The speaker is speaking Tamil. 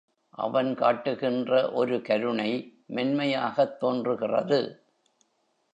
அவன் காட்டுகின்ற ஒரு கருணை மென்மையாகத் தோன்றுகிறது.